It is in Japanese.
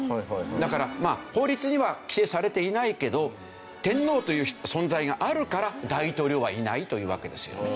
だから法律には規定されていないけど天皇という存在があるから大統領はいないというわけですよね。